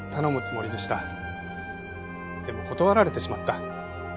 でも断られてしまった。